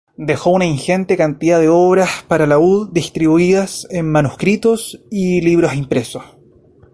Dejó una ingente cantidad de obras para laúd, distribuidas en manuscritos y libros impresos.